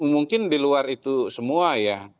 mungkin di luar itu semua ya